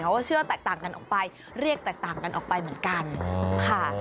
ว่าเชื่อแตกต่างกันออกไปเรียกแตกต่างกันออกไปเหมือนกันค่ะ